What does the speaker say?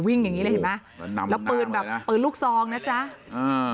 อย่างงี้เลยเห็นไหมแล้วปืนแบบปืนลูกซองนะจ๊ะอ่า